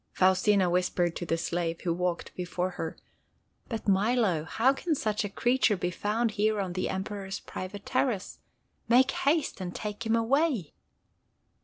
Faustina whispered to the slave, who walked before her: "But, Milo, how can such a creature be found here on the Emperor's private terrace? Make haste, and take him away!"